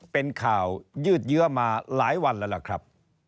เป็นข่าวยืดเยื้อมาหลายวันแล้วล่ะครับ